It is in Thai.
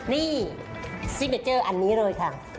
นี่ซิกเนเจอร์อันนี้เลยค่ะ